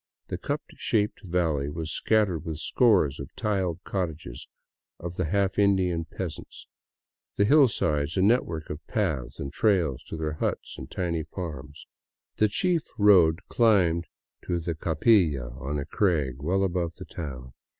The cup shaped valley was scattered with scores of tiled cottages of the half Indian peasants, the hillsides a network of paths and trails to their huts and tiny farms. The chief road climbed to the Capilla on a crag well above the town.